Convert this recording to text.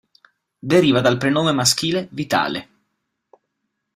Deriva dal prenome maschile Vitale.